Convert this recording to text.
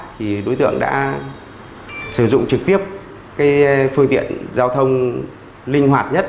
thì đối tượng đã sử dụng trực tiếp phương tiện giao thông linh hoạt nhất